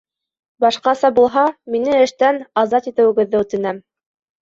Башҡаса булһа, мине эштән азат итеүегеҙҙе үтенәм.